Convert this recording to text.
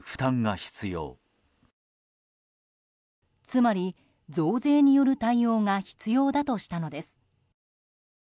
つまり、増税による対応が必要だとしたのです。